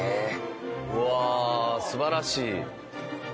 うわあ素晴らしい。